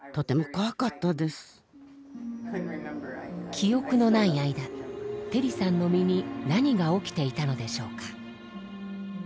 記憶のない間テリさんの身に何が起きていたのでしょうか？